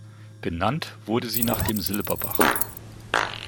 Benannt wurde sie nach dem Silberbach.